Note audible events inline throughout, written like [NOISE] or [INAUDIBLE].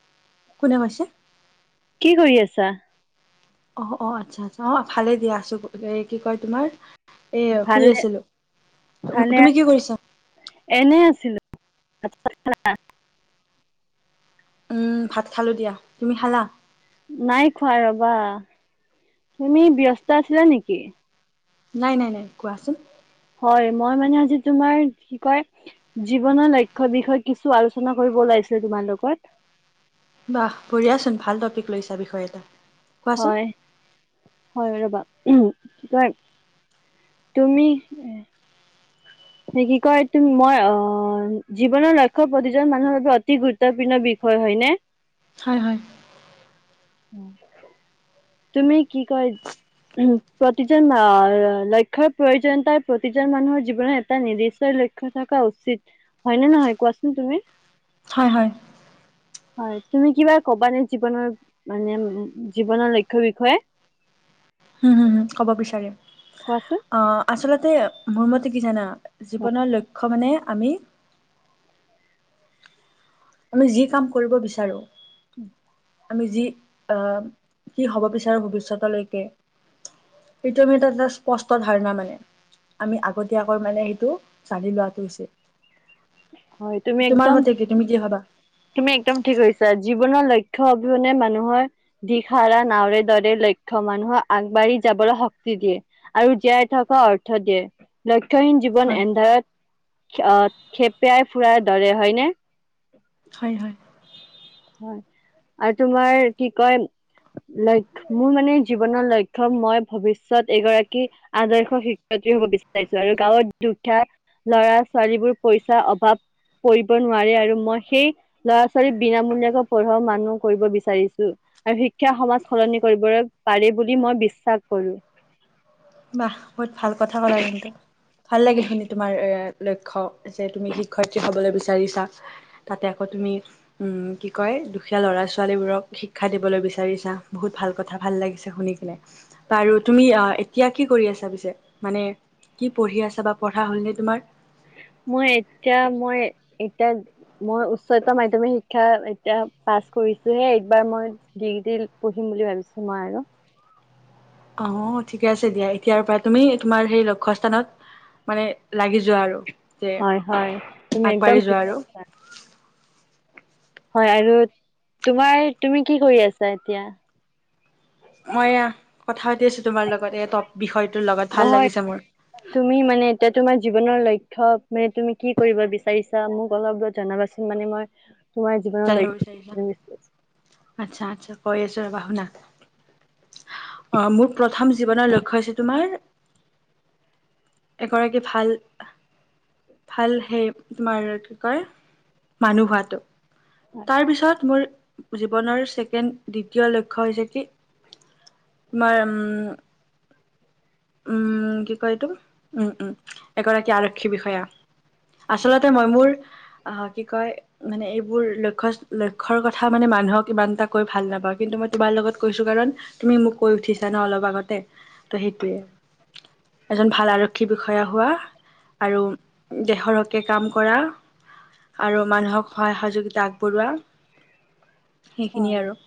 [UNINTELLIGIBLE] কোনে কৈছে। কি কৰি আছা? অ অ, আচ্ছা আচ্ছা অ ভালে দিয়া আছো এ কি কয় তোমাৰ। এয়া শুই ভালে আছিলো, ভালে তুমি কি আছা? কৰিছা। এনে আছিলো। উম, ভাত খালো দিয়া তুমি খালা উম? নাই খুৱাই ৰবা, তুমি ব্যস্ত আছিলা নেকি। নাই নাই নাই কোৱাচোন। হয়, মই মানে আজি তোমাৰ কি কয় জীৱনৰ লক্ষ্য বিষয়ে কিছু আলোচনা কৰিব ওলাইছিল তোমাৰ লগত। বাহ পঢ়িয়াচোন ভাল টপিক লৈছা বিষয়ে এটা। কোৱাচোন হয়, হয় ৰবা। উম কি কয়। তুমি। কি কয় ম মই আ জীৱনৰ লক্ষ্য প্ৰতিজন মানুহৰ বাবে অতি গুৰুত্বপূৰ্ণ বিষয় নহয়নেে। হয় হয়। উম, তুমি কি কয় উ প্ৰতিজন লক্ষ্যয়ৰ প্ৰয়োজনীয়তাৰ প্ৰতিজন মানুহৰ জীৱনৰ এটা নিৰ্দিষ্টয় লক্ষ্য থকা উচিত হয়নে নহয় কোৱাচোন তুমি। হয় হয়। হয় তুমি কিবা কবানে জীৱনৰ মানে জীৱনৰ লক্ষ্যয়ৰ বিষয়ে? হুম-হুম-হুম কব বিচাৰোঁ। কোৱাচোন? অ আচলতে মোৰ মতে কি জানা জীৱনৰ লক্ষ্য মানে আমি আমি যি কাম কৰিব বিচাৰো। [UNINTELLIGIBLE] আমি যি আহ কি হ'ব বিচাৰো ভৱিষ্যতলৈকে। এইটো আমি এটা-এটা স্পষ্ট ধাৰণা মানে। আমি আগতীয়াকৈ মানে সেইটো জানি লোৱাটো উচিত। হয় তুমি তোমাৰ একদম মতে কি তুমি কি ভাবা? তুমি একদম ঠিককৈছা আজি- জীৱনৰ লক্ষ্য অবিহনে মানুহৰ দিশহাৰা [UNINTELLIGIBLE] লক্ষ্য মানুহক আগবাঢ়ি যাবলৈ শক্তি দিয়ে আৰু জীয়াই থকা অৰ্থ দিয়ে। শিক্ষাহীন জীৱন হয়, এন্ধাৰত খেপ পয়াই ফুৰা ধৰে হয়নে? হয়-হয়। আৰু তোমাৰ কি কয় লক্ষ্য মোৰ মানে জীৱনৰ লক্ষ্য মই ভৱিষত এগৰাকী আদৰ্শ শিক্ষয়িত্ৰী হব বিচাৰিছো আৰু গাঁৱত দুখীয়া লৰা ছোৱালীবোৰ পইচাৰ অভাৱ পৰিব নোৱাৰে আৰু মই সেই লৰা ছোৱালীক বিনামূলীয়া- পঢ়োৱা মানুহ কৰিব বিচাৰিছো আৰু শিক্ষা সমাজ সলনি কৰিব পাৰে বুলি মই বিশ্বাস কৰো। বাহ বহুত ভাল কথা ক'লা কিন্তু। ভাল লাগিল শুনি তোমাৰ এ লক্ষ্য যে তুমি শিক্ষয়িত্ৰী হবলৈ বিচাৰিছা। তাতে আকৌ তুমি উম কি কয় দুখীয়া ল'ৰা-ছোৱালী বোৰক শিক্ষা দিবলৈ বিচাৰিছা বহুত ভাল কথা ভাল লাগিছে শুনি কিনে। বাৰু তুমি অ এতিয়া কি কৰি আছা পিছে মানে কি পঢ়ি আছা বা পঢ়া হ'লনে তোমাৰ? মই এতিয়া মই এতিয়া মই উচ্চতৰ মাধ্যমিক শিক্ষা এতিয়া পাছ কৰিছোহে এইবাৰ মই ডিগ্ৰী পঢ়িম বুলি ভাবিছো মই আৰু। অহ ঠিকে আছে দিয়া এতিয়াৰ পৰা তুমি তোমাৰ সেই লক্ষ্যস্থানত মানে লাগি য- যোৱা আৰু যে হয় হয় তুমি একদম আগবাঢ়ি ঠিক যোৱা আৰু। কৈছা। হয় আৰু তোমাৰ তুমি কি কৰি আছা এতিয়া? মই আঁহ কথা পাতি আছো তোমাৰ লগত এ টপ বিষয়- নহয় তুমি মানে এতিয়া তোমাৰ জীৱনৰ লক্ষ্য - শিক্ষক মানে তুমি কি কৰিব বিচাৰিছা? মোক অলপ জনাবাচোন মানে মই তোমাৰ জীৱনৰ জানিব লক্ষ্য বিচাৰিছা? আচ্ছা-আচ্ছা কৈ আছো ৰবা। শুনা অহ মোক প্ৰথম জীৱনৰ লক্ষ্যয় হৈছে তোমাৰ এগৰাকী ভাল-ভাল সেই তোমাৰ কি কয় মানুহ হোৱাটো। তাৰ পিছত মোৰ জীৱনৰ ছেকেণ্ড দ্বিতীয় লক্ষ্য হৈছে কি তোমাৰ উম উম কি কয় এইটো উম-উম এগৰাকী আৰক্ষী বিষয়া আচলতে মই মোৰ আহ কি কয় মানে এইবোৰ লক্ষ্য লক্ষ্যয়ৰ কথা মানে মানুহক ইমান এটা কৈ ভাল নাপাওঁ। কিন্তু মই তোমাৰ লগত কৈছো কাৰণ তুমি মোক কৈ উঠিছা ন অলপ আগতে ত সেইটোয়ে। এজন ভাল আৰক্ষী বিষয়া হোৱা আৰু দেশৰ হকে কাম কৰা আৰু মানুহক সহায়-সহযোগিতা আগবঢ়োৱা। সেইখিনিয়ে হয় আৰু।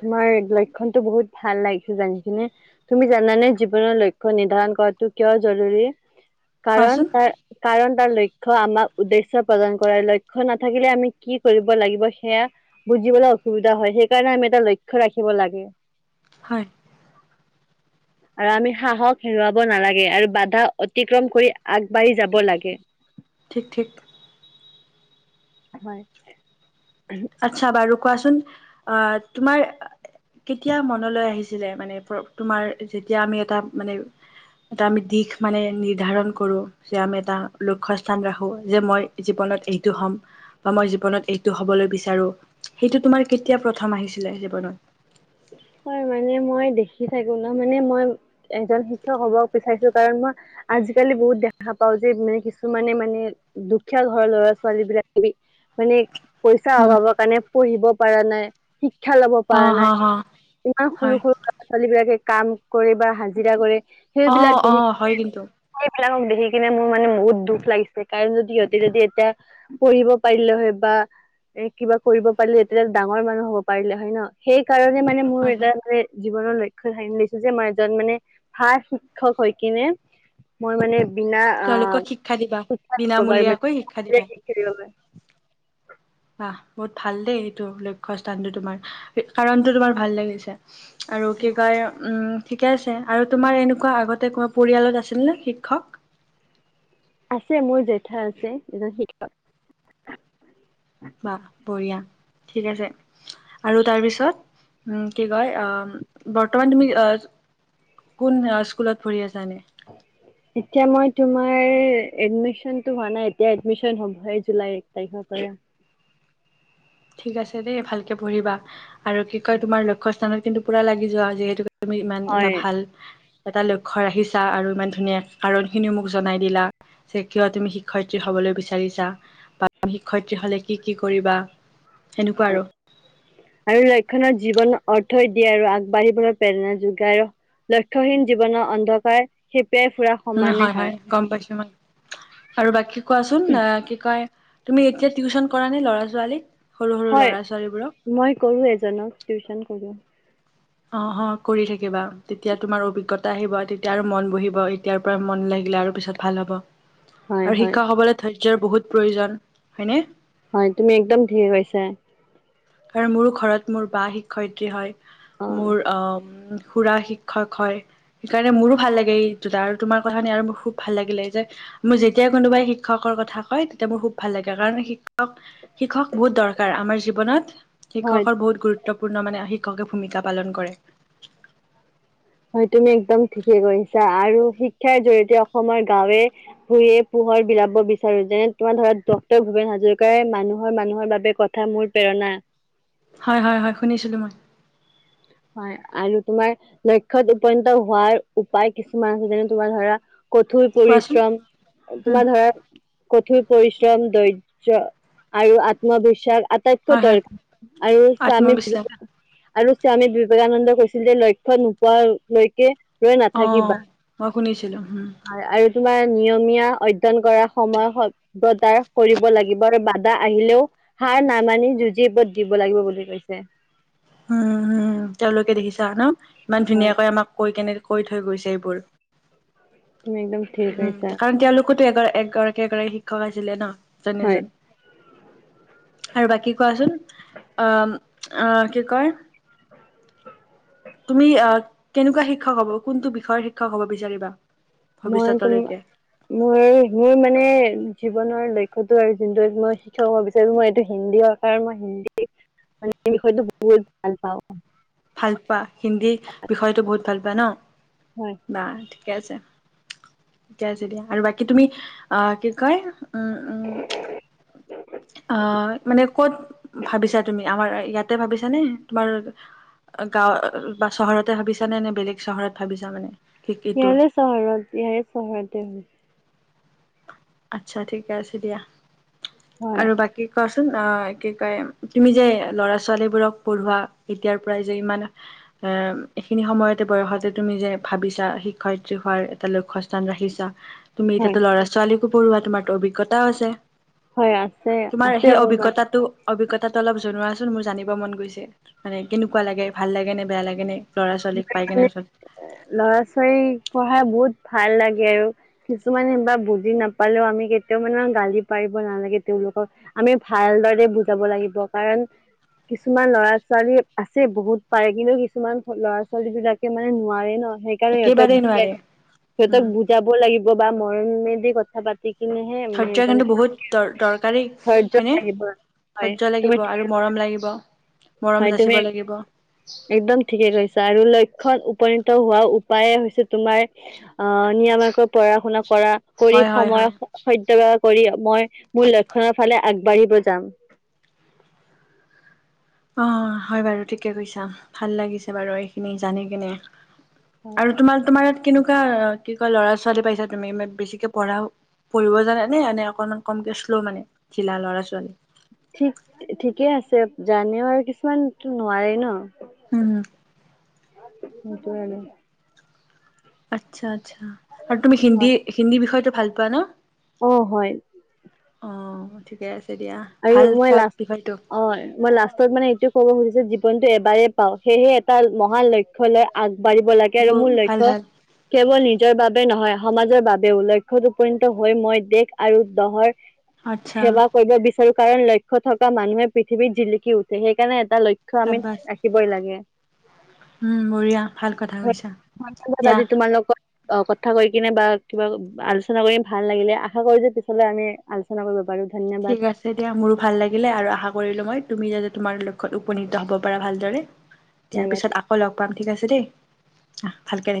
তোমাৰ লক্ষণতটো বহুত ভাল লাগিছে জানি কিনে তুমি জানানে জীৱনৰ লক্ষ্য নিৰ্ধাৰণ কৰাটো কিয় জৰুৰী? কাৰণ কোৱাচোন তাৰ কাৰণ তাৰ লক্ষ্য লক্ষ্য আমাৰ উদ্দেশ্যৰ প্ৰদান কৰাৰ লক্ষ্য নাথাকিলে আমি কি কৰিব লাগিব সেয়া বুজিবলৈ অসুবিধা হয় সেইকাৰণে আমি এটা লক্ষ্য ৰাখিব লাগে। হয়। আৰু আমি সাহস হেৰুৱাব নালাগে আৰু বাধা অতিক্ৰম কৰি আগবাঢ়ি যাব লাগে। ঠিক ঠিক। হয়। আচ্ছা বাৰু কোৱাচোন অ তোমাৰ কেতিয়া মনলৈ আহিছিলে মানে তোমাৰ? যেতিয়া আমি এটা মানে এটা আমি দিশ মানে নিৰ্ধাৰণ কৰো যে আমি এটা লক্ষ্য স্থান ৰাখো যে মই জীৱনত এইটো হম বা মই জীৱনত এইটো হবলৈ বিচাৰ আৰু সেইটো তোমাৰ কেতিয়া প্ৰথম আহিছিলে জীৱনত? হয় মানে মই দেখি থাকো ন মানে মই এজন শিক্ষক হব বিচাৰিছো কাৰণ মই আজিকালি বহুত দেখা পাও যে মানে কিছুমানে মানে দুখীয়া ঘৰৰ লৰা ছোৱালী বিলাক মানে পইচাৰ উম, অভাৱৰ কাৰণে পঢ়িব পৰা নাই শি ক্ষা ল'ব পাৰা অ', হ, নাই হ, সৰু হয়। সৰু ল'ৰা ছোৱালীবিলাক কে কাম কৰে বা হাজিৰা কৰে। অ অ হয় কিন্তু। ক দেখি কিনে মোৰ মানে বহুত দুখ লাগিছে কাৰণ যদি সিহতে যদি এতিয়া পঢ়িব পাৰিলে হয় বা এ কিবা কৰিব পাৰিলে হয় তেতিয়া ডাঙৰ মানুহ হব পাৰিলে হয় ন। সেইকাৰণে মানে হয়, হয় [UNINTELLIGIBLE] জীৱনৰ লক্ষ্য থানি লৈছো যে মই এজন মানে ভাল শিক্ষক হৈ কিনে মই মানে বিনা আ তেওঁলোকক শিক্ষা দিবা শিক্ষা গভাৰৰ্মেণ্ট বিনামূলীয়াকৈ শিক্ষা দিবা। [UNINTELLIGIBLE] বাহ বহুত ভাল দেই এইটো লক্ষ্য স্থানতো তোমাৰ, কাৰণতটো তোমাৰ ভাল লাগিল চাই আৰু কি কয়, উম। ঠিকে আছে আৰু তোমাৰ এনেকুৱা আগতে তোমাৰ পৰিয়ালত আছিল নে শিক্ষক? আছে মোৰ জেঠা আছে এজন শিক্ষক। বা বঢ়িয়া। ঠিক আছে আৰু তাৰ পিছত উম কি কয় আহ বৰ্তমান তুমি কোন স্কুলত পঢ়ি আছা? জানে এতিয়া মই তোমাৰ এদমিচনটো হোৱা নাই, এতিয়া এডমিচন হ'বহে জুলাই এক তাৰিখৰ পৰা। ঠিক আছে দেই ভালকে পঢ়িবা আৰু কি কয় তোমাৰ লক্ষ্য স্থানত কিন্তু পোৰা লাগি যোৱা যিহেতু তুমি ইমান এটা হয় ভাল এটা লক্ষ্য ৰাখিছা আৰু ইমান ধুনীয়া কাৰণখিনিও মোক জনাই দিলা, যে কিয় তুমি শিক্ষয়িত্ৰী হ'বলৈ বিচাৰিছা, বা শিক্ষয়ত্ৰী হ'লে কি কি কৰিবা সেনেকুৱা আৰু আৰু লক্ষ্যই ন জীৱনত অৰ্থ দিয়ে আৰু আগবাঢ়িবলৈ প্ৰেৰণা যোগায়। লক্ষ্যহীন জীৱনৰ অন্ধকাৰ পে ফুৰা উম সমানেই হয়। গম পাইছো মই আৰু বাকী কোৱাচোন কি কয়? তুমি এতিয়া টিউশ্যন কৰা নে ল'ৰা ছোৱালীক? সৰু সৰু হয়। ল'ৰা ছোৱালীবোৰক? মই কৰো এজনক, টিউশ্যন কৰো। অ' হ, কৰি থাকিবা। তেতিয়া তোমাৰ অভিজ্ঞতা আহিব তেতিয়া আৰু মন বহিব এতিয়াৰ পৰা মন লাগিলে আৰু পিছত ভাল হব। হয় আৰু হয় শিক্ষা হবলৈ ধৈ ৰ্য্যৰ বহুত প্ৰয়োজন, হয়নে? হয় তুমি একদম ঠিক কৈছা। কাৰণ মোৰো ঘৰত মোৰ বা শিক্ষয়িত্ৰী হয়। অ মোৰ অম' খুৰা শিক্ষক হয়। সেইকাৰণে মোৰো ভাল লাগে এই দুটা আৰু তোমাৰ কথা শুনি আৰু মোৰ খুব ভাল লাগিলে এই যে মোক যেতিয়াই কোনোবাই শিক্ষকৰ কথা কয়, তেতিয়া মোৰ খুব ভাল লাগে কাৰণ শিক্ষক বহুত দৰ কাৰ আমাৰ জীৱনত। হয় শিক্ষকৰ বহুত গুৰুত্ব ত্বপূৰ্ণ মানে শিক্ষকে ভূমিকা পালন কৰে। হয় তুমি একদম ঠিকেই কৈছা, আৰু শিক্ষাৰ জৰিয়তে অসমৰ গাঁৱে ভূঞে পোহৰ বিলাব বিচাৰো যেনে তোমাৰ ধৰ ডটৰ ভূপেন হাজৰিকাৰে মানুহৰ-মানুহৰ বাবে কথা মোৰ প্ৰেৰণা। হয়-হয়-হয় শুনিছিলো মই। আৰু তোমাৰ লক্ষ্যত উপনীত হোৱাৰ উপায় কিছুমান যেনে তোমাৰ ধৰা কঠোৰ কোৱাচোন পৰিশ্ৰম, উম তোমাৰ ধৰা কঠোৰ পৰিশ্ৰম, ধৈৰ্য্য আৰু আত্মবিশ্বাস আটাইতকৈ হয় হয় দৰকাৰ আৰু স্বামী আত্মবিশ্বাস [INAUDIBLE] আৰু স্বামী বিবেকানন্দ কৈছিল যে লক্ষ্যত নোপোৱালৈকে ৰৈ নাথাকিবা অ', মই শুনিছিলো হম। আ- আৰু তোমাৰ নিয়মীয়া অধ্য য়ন কৰা সময় সভ্যতাৰ কৰিব লাগিব আৰু বা আহিলেও সাৰ নামানি যুঁজিব দিব লাগিব বুলি কৈছে। উম-হম। তেওঁলোকে দেখিছা ন? ইমান হয় ধুনীয়াকৈ আমাক কৈ কেনে কৈ থৈ গৈছে এইবোৰ। তুমি একদম ঠিক উম', কৈছা কাৰণ তেওঁলোকতো এ-এগৰাক একগৰাকী শিক্ষক আছিলে ন? হয় এজন-এজন। আৰু বাকী কোৱাচোন? অম-অহ, কি কয়? তুমি অহ, কেনেকোৱা শিক্ষক হব, কোনটো বিষয়ৰ শিক্ষক হব বিচাৰিবা? মই তুম ভৱিষ্যতলৈকে মোৰ-মোৰ মানে জীৱনৰ লক্ষ্যটো আৰু যোনটো মই শিক্ষক বিচাৰোঁ। মই এইটো হিন্দী ভাষাৰ মই হিন্দী মানে, বিষয়টো বহুত ভাল পাওঁ। ভাল পোৱা, হিন্দী বিষয়টো বহুত ভাল পোৱা ন'? হয় বা! ঠিকে আছে। ঠিকে আছে দিয়া আৰু বাকী তুমি আঁ কি কয়! উম! উম! আঁ মানে, ক'ত ভাবিছা তুমি আমাৰ ইয়াত? তাতে ভাবিছা নে তোমাৰ? গাঁও‌ বা চহৰতে ভাবিছা নে? নে বেলেগ চহৰত ভাবিছা মানে? ঠিক এইটো ইয়াৰে চহৰত ইয়াৰে চহৰতে ভাবিছোঁ। আচ্ছা! ঠিকে আছে দিয়া। হয় আৰু বাকী ক'? অ'! কি কয়, তুমি যে ল'ৰা ছোৱালী বোৰক পঢ়োৱা, এতিয়াৰ পৰাই যে, ইমান এ, এইখিনি সময়তে বয়সতে তুমি যে ভাবিছা, শিক্ষয়িত্ৰী হোৱাৰ এটা লক্ষ্যস্থান ৰাখিছা। তুমি এতিয়া হয় ত' ল'ৰা ছোৱালী পঢ়োৱা তোমাৰতো অভিজ্ঞতাও আছে। হয়! আছে, তোমাৰ আছে সেই অকমান। অভিজ্ঞতাটো অভিজ্ঞতাটো অলপ জনোৱাচোন! মোৰ জানিব মন গৈছে। মানে, কেনেকুৱা লাগে ভাল লাগে, নে বেয়া লাগে নে! ল'ৰা ছোৱালীক পাই কেনে মানে, ওচৰত লৰা ছোৱালী পঢ়াই বহুত ভাল লাগে আৰু কিছুমানে বা বুজি নাপালেওঁ আমি, কেতিয়াও মানে, গালি পাৰিব নালাগে। তেওঁলোকক আমি ভাল দৰে বুজাব লাগিব। কাৰণ, কিছুমান ল'ৰা ছোৱালী আছে বহুত পাৰে। কিন্তু, কিছুমান ল'ৰা ছোৱালীবিলাকে মানে, নোৱাৰে ন'? সেইকাৰণে সিহঁতেক, একেবাৰেই নোৱাৰে। সিহঁতক উম বুজাব লাগিব। বা মই নিজে কথা পা ধৈৰ্য কিন্তু, বহুত দ দৰকাৰী ধৈৰ্য্য হয়নে! লাগিব হয় ধৰ্য্য তুমি লাগিব ঠিকে আৰু মৰম লাগিব। মৰম হয় যাচিব তুমি, লাগিব একদম ঠিকে কৈছা আৰু লক্ষ্য উপনীত হোৱা উপায়ে হৈছে তোমাৰ আঁ নিয়মীয়াকৈ পঢ়া শুনা কৰা, কৰি হয় হয় সময় হয়। সৎ কৰি মই মোৰ লক্ষণৰ ফালে আগবাঢ়িব যাম। অ'! হয় বাৰু ঠিকে কৈছা! ভাল লাগিছে বাৰু এইখিনি জানি কিনে। হয় আৰু তোমাৰ, তোমাৰ ইয়াত কেনেকুৱা কি কয়, ল'ৰা ছোৱালী পাইছা তুমি? বেছিকে পঢ়া পঢ়িব জানে নে? অকনমান কমকে শ্ল' মানে ঢিলা ল'ৰা ছোৱালী? ঠিক, ঠিকে আছে, জানেও আৰু কিছুমান নোৱাৰে ন'। উম! সেইটোৱে আৰু। আচ্ছা! আৰু তুমি হিন্দী, হিন্দী বিষয়টো ভাল পোৱা ন'? অ'! হয়। অ'! ঠিকে আছে। দিয়া আৰু ভাল মই চাব বিষয়টো লাষ্ট অ মই লাষ্টত মানে এইটোয় ক'ব খুজিছোঁ। কিন্তু এবাৰেই পাওঁ সেয়েহে এটা মহা লক্ষ্য লৈ আগ। বাঢ়িব লাগে আৰু মোৰ ভাল লক্ষ্য ভাল কেৱল নিজৰ বাবে নহয়। সমাজৰ বাবেও লক্ষ্যত উপনীত হৈ মই দেশ আৰু দহৰ। আচ্ছা সেৱা কৰিব বিচাৰোঁ। সেইকাৰণ লক্ষ্য থকা মানুহে পৃথিৱীত জিলিকি উঠে সেইকাৰণে। এটা লক্ষ্য আমি চাবাছ ৰাখিবই লাগে, উম বঢ়িয়া ভাল কথা কৈছা ধৰা দিয়া আজি তোমাৰ লগত। অ, কথা কৈ কিনে বা কিবা আলোচনা কৰি ভাল লাগিলে, আশা কৰোঁ যে পিছলে আমি আলোচনা কৰিব পাৰোঁ। ধন্যবাদ। এতিয়া মোৰো ভাল লাগিলে আৰু আশা কৰিলোঁ মই তুমি যাতে তোমাৰ লক্ষ্যত উপনীত হ'ব পাৰা ভালদৰে। দিয়া ধন্যবাদ পিছত আকৌ লগ পাম ঠিক আছে দেই। আহ ভালকে দেখা।